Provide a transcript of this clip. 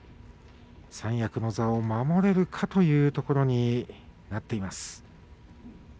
三役の座を守れるかというところになっています。